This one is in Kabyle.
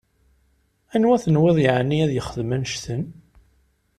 Anwa tenwiḍ yeεni ad yexdem annect-en?